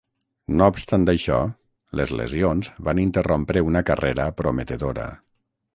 No obstant això, les lesions van interrompre una carrera prometedora.